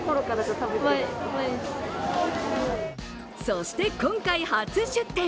そして、今回初出店。